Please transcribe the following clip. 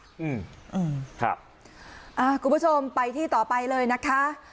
อืมอืมครับอ่าคุณผู้ชมไปที่ต่อไปเลยนะคะ